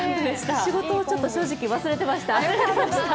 仕事を正直ちょっと忘れてました。